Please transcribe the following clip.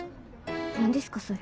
なんですかそれ。